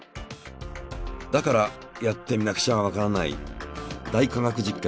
だからやってみなくちゃわからない「大科学実験」で。